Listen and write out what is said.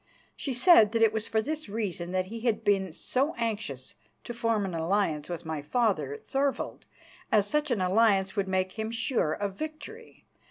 She said that it was for this reason that he had been so anxious to form an alliance with my father, Thorvald, as such an alliance would make him sure of victory.